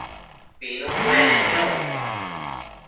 pinu cuenec niosh